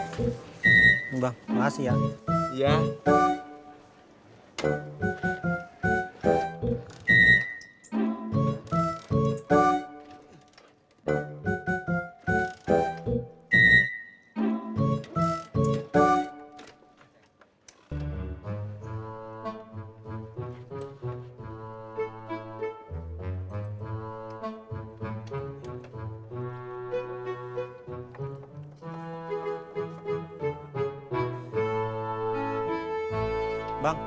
terima kasih ya